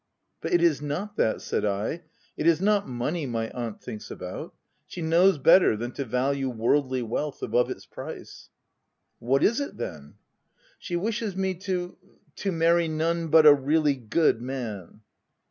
' c But it is not that," said I, " it is not money my aunt thinks about. She knows better than to value worldly wealth above its price. "" What is it then ?"" She wishes me to — to marry none but a really good man.''